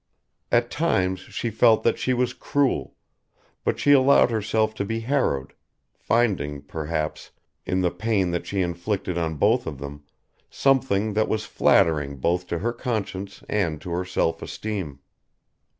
At times she felt that she was cruel, but she allowed herself to be harrowed, finding, perhaps, in the pain that she inflicted on both of them, something that was flattering both to her conscience and to her self esteem.